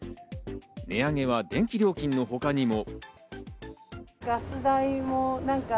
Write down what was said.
値上げは電気料金の他にも。